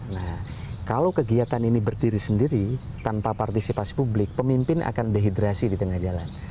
nah kalau kegiatan ini berdiri sendiri tanpa partisipasi publik pemimpin akan dehidrasi di tengah jalan